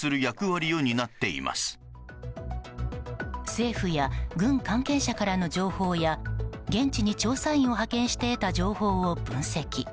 政府や軍関係者からの情報や現地に調査員を派遣して得た情報を分析。